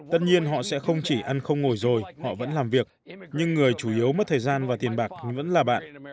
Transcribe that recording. tất nhiên họ sẽ không chỉ ăn không ngồi rồi họ vẫn làm việc nhưng người chủ yếu mất thời gian và tiền bạc vẫn là bạn